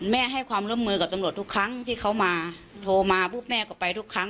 ให้ความร่วมมือกับตำรวจทุกครั้งที่เขามาโทรมาปุ๊บแม่ก็ไปทุกครั้ง